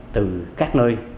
từ các nơi